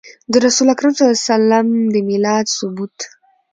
د رسول اکرم صلی الله عليه وسلم د ميلاد ثبوت